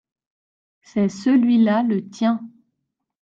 c'est celui-là le tien.